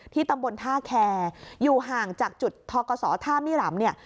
ตำบลท่าแคร์อยู่ห่างจากจุดทกศท่ามิรำเนี่ย